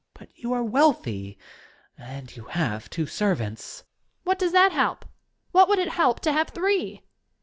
But you are wealthy, and you have two servants ? Young Lady. What does that help? What would it help to have three